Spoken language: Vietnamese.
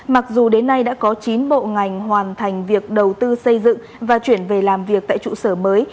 mặc dù đến nay đã có chín bộ ngành hoàn thành việc đầu tư xây dựng và chuyển về làm việc tại trụ sở mới